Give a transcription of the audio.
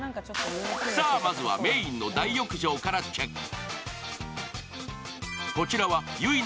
さぁ、まずはメーンの大浴場からチェック。